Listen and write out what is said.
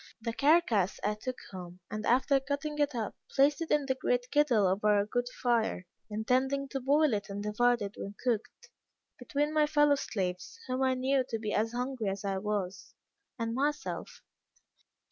The carcass I took home, and after cutting it up, placed it in the great kettle over a good fire, intending to boil it and divide it, when cooked, between my fellow slaves (whom I knew to be as hungry as I was) and myself.